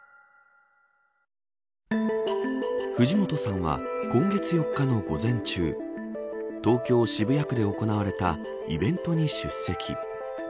藤本さんは今月４日の午前中東京・渋谷区で行われたイベントに出席。